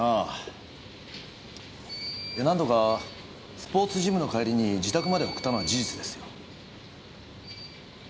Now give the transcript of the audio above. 何度かスポーツジムの帰りに自宅まで送ったのは事実ですよ。